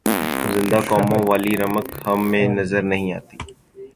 زندہ قوموں والی رمق ہم میں نظر نہیں آتی۔